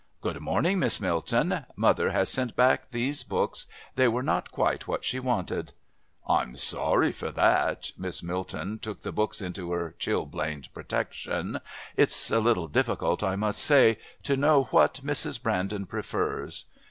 "Good morning, Miss Milton. Mother has sent back these books. They were not quite what she wanted." "I'm sorry for that." Miss Milton took the books into her chilblained protection. "It's a little difficult, I must say, to know what Mrs. Brandon prefers."